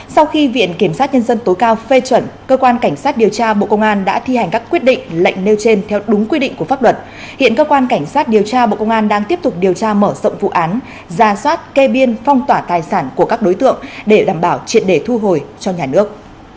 sau khi viện kiểm sát nhân dân tối cao phê chuẩn cơ quan cảnh sát điều tra bộ công an đã thi hành các quyết định lệnh nêu trên theo đúng quy định của pháp luật hiện cơ quan cảnh sát điều tra bộ công an đang tiếp tục điều tra mở rộng vụ án ra soát kê biên phong tỏa tài sản của các đối tượng để đảm bảo triệt để thu hồi cho nhà nước